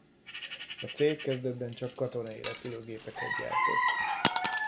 A cég kezdetben csak katonai repülőgépeket gyártott.